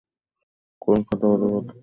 কলকাতা বাদে প্রত্যেকটি জেলা মহকুমায় বিভক্ত।